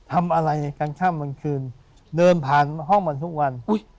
ทำอะไรกลางค่ำกลางคืนเดินผ่านห้องมันทุกวัน